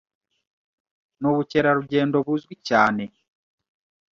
Nubukerarugendo buzwi cyane.